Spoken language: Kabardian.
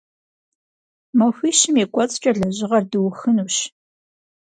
Махуищым и кӏуэцӏкӏэ лэжьыгъэр дыухынущ.